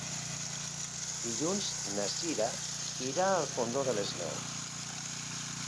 Dilluns na Cira irà al Fondó de les Neus.